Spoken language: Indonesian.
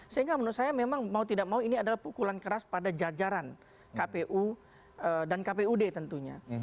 sehingga menurut saya memang mau tidak mau ini adalah pukulan keras pada jajaran kpu dan kpud tentunya